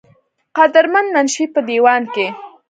قدر مند منشي پۀ دېوان کښې